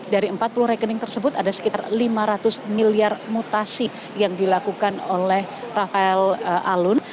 dari empat puluh rekening tersebut ada sekitar lima ratus miliar mutasi yang dilakukan oleh rafael alun